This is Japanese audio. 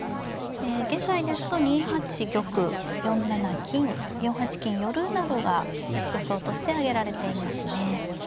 現在ですと２八玉４七金４八金寄などが予想として挙げられていますね。